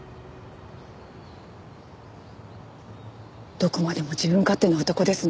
どこまでも自分勝手な男ですね。